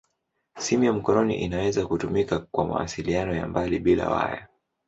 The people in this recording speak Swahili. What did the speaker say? Simu ya mkononi inaweza kutumika kwa mawasiliano ya mbali bila waya.